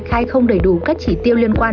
khai không đầy đủ các chỉ tiêu liên quan